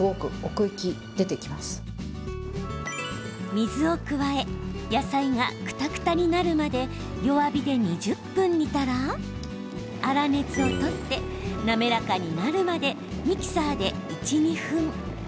水を加え野菜がくたくたになるまで弱火で２０分煮たら粗熱を取って、滑らかになるまでミキサーで１、２分。